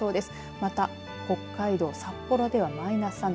また北海道札幌ではマイナス３度。